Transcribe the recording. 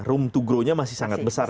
room to grow nya masih sangat besar